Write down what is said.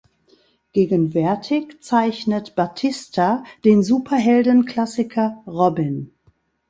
Gegenwärtig zeichnet Batista den Superhelden-Klassiker "Robin".